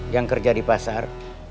yang kerja di pasar